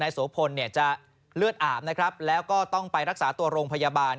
ในนี้นายโสพลจะเลือดอาบแล้วก็ต้องไปรักษาตัวโรงพยาบาล